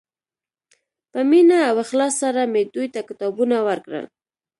په مینه او اخلاص سره مې دوی ته کتابونه ورکړل.